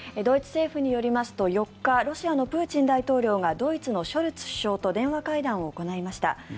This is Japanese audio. ドイツ政府によりますと４日、ロシアのプーチン大統領がドイツのショルツ首相と電話会談を行いました。